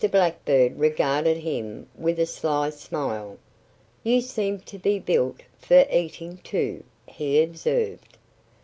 Blackbird regarded him with a sly smile. "You seem to be built for eating, too," he observed.